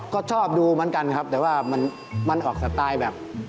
ก็ชอบดูเหมือนกันครับแต่ว่ามันออกสไตล์แบบ